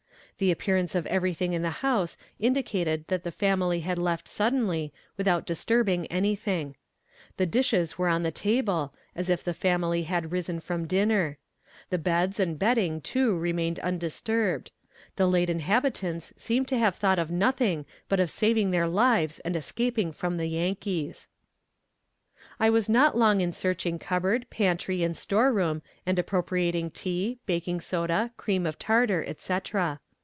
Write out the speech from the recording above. The appearance of everything in the house indicated that the family had left suddenly, without disturbing anything. The dishes were on the table, as if the family had risen from dinner; the beds and bedding too remained undisturbed; the late inhabitants seemed to have thought of nothing but of saving their lives and escaping from the Yankees. [Illustration: FOOD FOR THE FAMISHING. Page 227.] I was not long in searching cupboard, pantry and store room, and appropriating tea, baking soda, cream of tartar, et cetera.